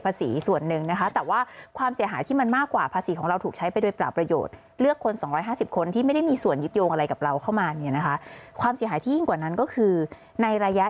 พวกคุณนะคะหมายถึงว่าประชาชนทั้งประเทศ